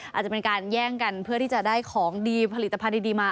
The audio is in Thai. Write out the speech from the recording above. อาจจะเป็นการแย่งกันเพื่อที่จะได้ของดีผลิตภัณฑ์ดีมา